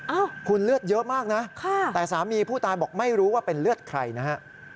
อ้าวคุณเลือดเยอะมากนะแต่สามีผู้ตายบอกไม่รู้ว่าเป็นเลือดใครนะฮะ